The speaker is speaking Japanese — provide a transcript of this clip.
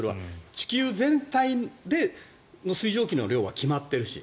地球全体で水蒸気の量は決まってるし。